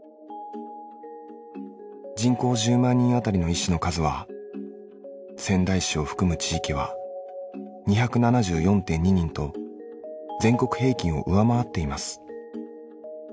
人口１０万人当たりの医師の数は仙台市を含む地域は２７４．２人と全国平均を上回っています。